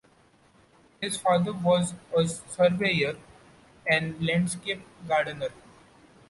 His father was a surveyor and landscape gardener.